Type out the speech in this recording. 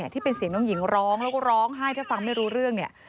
ที่เป็นเสียงน้องหญิงร้องแล้วก็ร้องไห้ถ้าฟังไม่รู้เรื่องเนี่ย